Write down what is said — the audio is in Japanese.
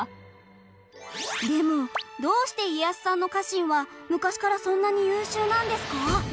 でもどうして家康さんの家臣は昔からそんなに優秀なんですか？